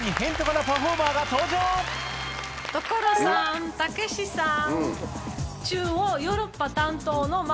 所さんたけしさん。